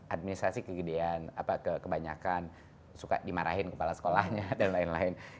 administrasi kegedean kebanyakan suka dimarahin kepala sekolahnya dan lain lain